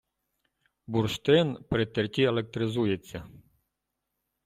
Бурштин при терті електризується